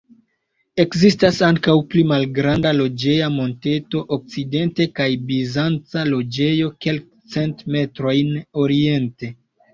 Ekzistas ankaŭ pli malgranda loĝeja monteto okcidente kaj bizanca loĝejo kelkcent metrojn oriente.